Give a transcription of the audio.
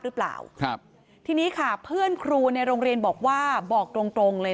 หรือเปล่าครับทีนี้ค่ะเพื่อนครูในโรงเรียนบอกว่าบอกตรงตรงเลย